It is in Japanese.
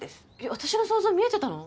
私の想像見えてたの？